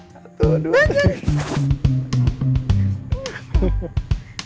satu dua tiga